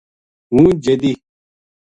ہوں جیدی